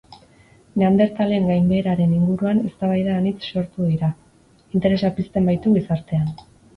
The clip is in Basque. Neandertalen gainbeheraren inguruan eztabaida anitz sortu dira, interesa pizten baitu gizartean.